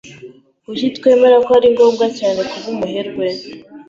Kuki twemera ko ari ngombwa cyane kuba umuherwe?